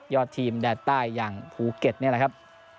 อดทีมแดดใต้อย่างภูเก็ตนี่แหละครับ